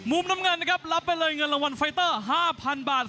มุมน้ำเงินนะครับรับไปเลยเงินรางวัลไฟเตอร์๕๐๐๐บาท